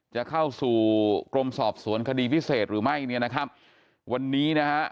จะเข้าสู่กรมสอบสวนคดีพิเศษหรือไม่เนี่ยนะครับวันนี้นะฮะ